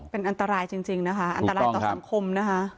เป็นอันตรายจริงนะคะอันตรายต่อสังคมนะคะ